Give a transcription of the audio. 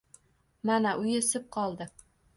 Mana, uyi isib qoldi.